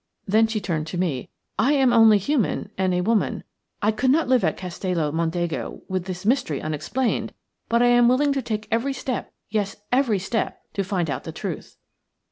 Then she turned to me. "I am only human, and a woman. I could not live at Castello Mondego with this mystery unexplained; but I am willing to take every step – yes, every step, to find out the truth."